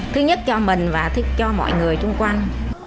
thứ nhất cho mình và thứ nhất cho mọi người trung quanh